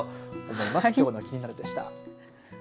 はい、きょうのキニナル！でした。